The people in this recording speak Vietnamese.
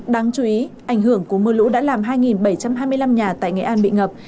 đáng chú ý ảnh hưởng của mưa lũ đã làm hai bảy trăm hai mươi năm nhà tại nghệ an bị ngập